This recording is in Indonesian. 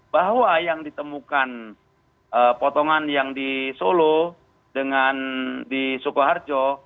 bahwa yang ditemukan potongan yang di solo dengan di sukoharjo